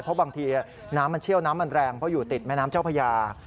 เพราะบางทีน้ำมันเชี่ยวน้ำมันแรงเพราะอยู่ติดแม่น้ำเจ้าพญา